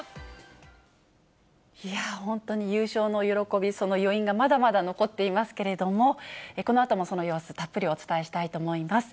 いやー、本当に優勝の喜び、その余韻がまだまだ残っていますけれども、このあともその様子、たっぷりお伝えしたいと思います。